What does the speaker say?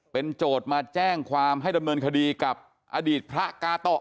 เป็นโจทย์มาแจ้งความให้ดำเนินคดีกับอดีตพระกาโตะ